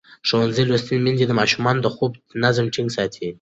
ښوونځې لوستې میندې د ماشومانو د خوب نظم ټینګ ساتي.